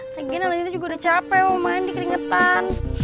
lagi nalini juga sudah capek mau mandi keringetan